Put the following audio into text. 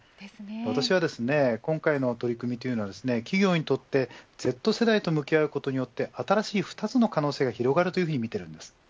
私はですね、今回の取り組みというのは企業にとってＺ世代と向き合うことによって新しい２つの可能性が広がるというふうに見ています。